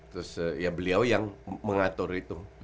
terus ya beliau yang mengatur itu